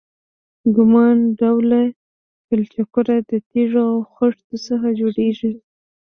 کمان ډوله پلچکونه د تیږو او خښتو څخه جوړیږي